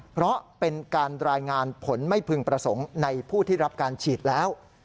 เพราะเป็นการรายงานผลไม่พึงประสงค์ในผู้ที่รับการฉีดแล้ว